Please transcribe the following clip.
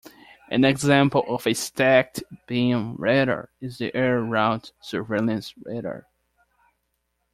An example of a stacked beam radar is the Air Route Surveillance Radar.